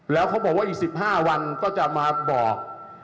แล้วเขาบอกว่าอีก๑๕วันก็จะมาบอก